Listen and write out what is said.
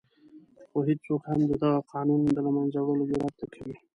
خو هېڅوک هم د دغه قانون د له منځه وړلو جرآت نه کوي.